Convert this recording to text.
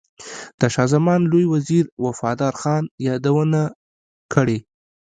د شاه زمان لوی وزیر وفادار خان یادونه کړې.